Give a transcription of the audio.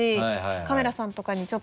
カメラさんとかにちょっと。